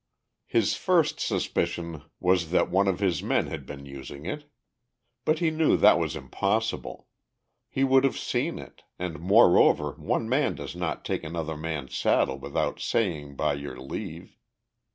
His first suspicion was that one of his men had been using it. But he knew that that was impossible. He would have seen it, and moreover one man does not take another man's saddle without saying by your leave.